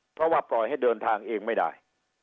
เพราะว่าปล่อยให้เดินทางเองไม่ได้